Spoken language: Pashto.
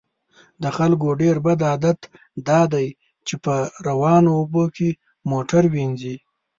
د خلکو ډیر بد عادت دا دی چې په روانو اوبو کې موټر وینځي